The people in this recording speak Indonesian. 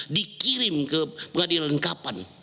dikirim ke pengadilan kapan